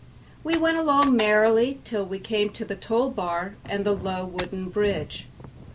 We went along merrily till we came to the toll bar and the low wooden bridge.